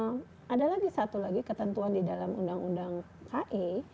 nah ada lagi satu lagi ketentuan di dalam undang undang ki